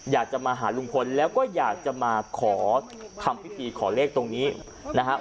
อยากจะมาหาลุงพลแล้วก็อยากจะมาขอทำพิธีขอเลขตรงนี้นะครับ